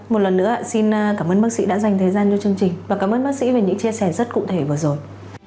một lần nữa xin cảm ơn bác sĩ đã dành thời gian cho chương trình và cảm ơn bác sĩ về những chia sẻ rất cụ thể vừa rồi